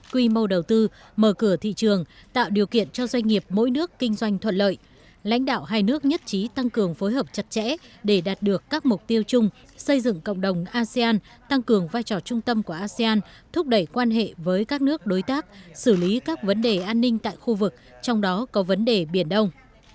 quy mô đầu tư mở cửa thị trường tạo điều kiện cho doanh nghiệp mỗi nước kinh doanh thuận lợi lãnh đạo hai nước nhất trí tăng cường phối hợp chặt chẽ để đạt được các mục tiêu chung xây dựng cộng đồng asean tăng cường vai trò trung tâm của asean thúc đẩy quan hệ với các nước đối tác xử lý các vấn đề an ninh tại khu vực trong đó có vấn đề biển đông